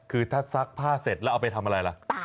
คือถ้าซักผ้าเสร็จแล้วเอาไปทำอะไรล่ะ